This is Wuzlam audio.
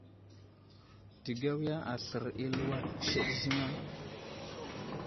Təgawiya aslər i aluwar kuseɗ ziŋ a ?